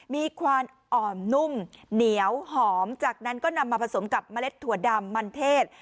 มีความอ่อนนุ่มเหนียวหอมจากนั้นก็นำมาผสมกับเมล็ดถั่วดำมันเทศ